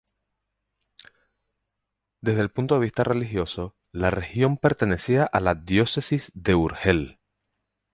Desde el punto de vista religioso, la región pertenecía a la diócesis de Urgel.